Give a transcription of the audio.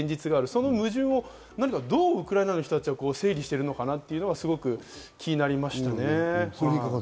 そこの矛盾をどうウクライナの人たちは整理しているのかなと気になりましたね。